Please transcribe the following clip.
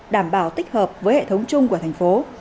đảm bảo tích hợp với hệ thống chung của thành phố